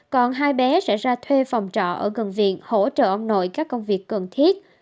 còn hai bé sẽ ra thuê phòng trọ ở gần viện hỗ trợ ông nội các công việc cần thiết